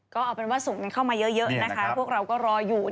ก็เอาเป็นว่าส่งกันเข้ามาเยอะนะคะพวกเราก็รออยู่